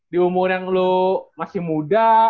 di umur yang lu masih muda